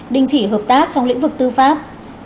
đình chỉ hợp tác trong lĩnh vực tư pháp